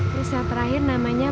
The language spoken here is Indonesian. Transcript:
terus yang terakhir namanya